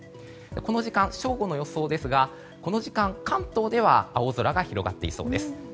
この時間、正午の予想ですが関東では青空が広がっていそうです。